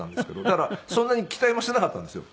だからそんなに期待もしてなかったんですよ。